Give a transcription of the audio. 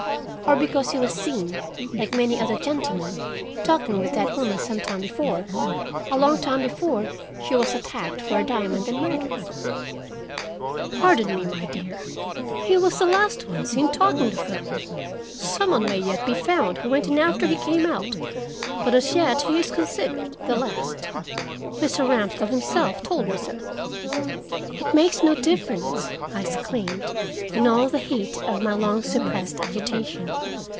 "Or because he was seen, like many other gentlemen, talking with that woman some time before—a long time before—she was attacked for her diamond and murdered?" "Pardon me, my dear, he was the last one seen talking to her. Some one may yet be found who went in after he came out, but as yet he is considered the last. Mr. Ramsdell himself told me so." "It makes no difference," I exclaimed, in all the heat of my long suppressed agitation.